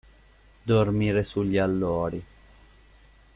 Dormire sugli allori.